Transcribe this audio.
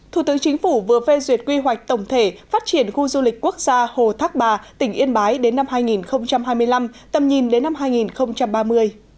thủ tướng chính phủ vừa phê duyệt quy hoạch tổng thể phát triển khu du lịch quốc gia hồ thác bà tỉnh yên bái đến năm hai nghìn hai mươi năm tầm nhìn đến năm hai nghìn ba mươi